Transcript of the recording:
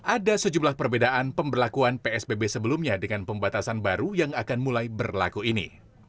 ada sejumlah perbedaan pemberlakuan psbb sebelumnya dengan pembatasan baru yang akan mulai berlaku ini